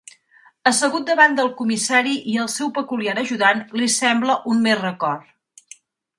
Assegut davant del comissari i el seu peculiar ajudant li sembla un mer record.